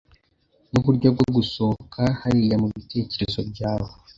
Nuburyo bwo gusohoka hariya mubitekerezo byawe?